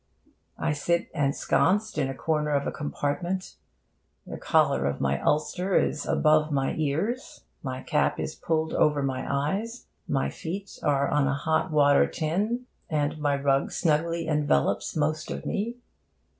I sit ensconced in a corner of a compartment. The collar of my ulster is above my ears, my cap is pulled over my eyes, my feet are on a hot water tin, and my rug snugly envelops most of me.